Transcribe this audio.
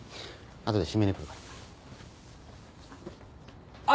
あとで閉めに来るから。